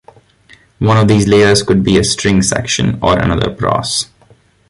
One of these layers could be a string section, or another brass.